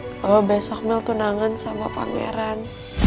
kalau besok mel tunangan sama pangeran